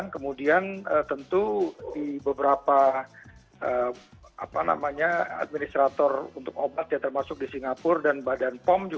kemudian tentu di beberapa administrator untuk obat ya termasuk di singapura dan badan pom